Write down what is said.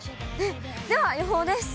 では、予報です。